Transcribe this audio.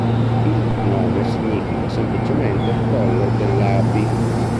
Il nome significa semplicemente colle dell'api.